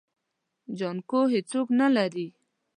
جانکو هيڅوک نه لري.